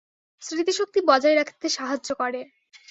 স্মৃতিশক্তি বজায় রাখতে সাহায্য করে।